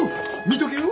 見とけよ。